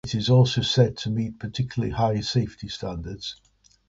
It is also said to meet particularly high safety standards.